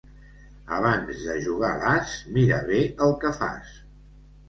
Abans de jugar l'as, mira bé el que fas.